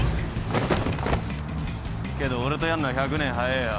けど俺とやんのは１００年早えよ。